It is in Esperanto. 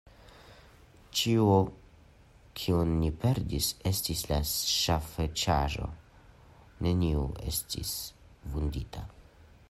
Ĉio kion ni perdis, estis la ŝafĉasaĵo; neniu estis vundita.